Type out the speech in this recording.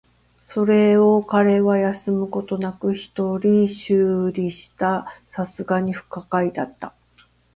それを彼は休むことなく一人修理した。流石に不可解だった。